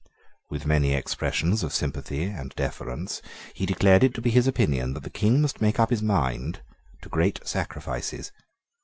With many expressions of sympathy and deference, he declared it to be his opinion that the King must make up his mind to great sacrifices.